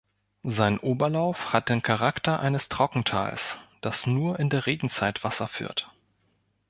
Sein Oberlauf hat den Charakter eines Trockentals, das nur in der Regenzeit Wasser führt.